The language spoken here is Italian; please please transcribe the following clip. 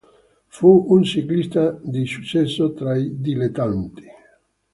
Fu un ciclista di successo tra i dilettanti.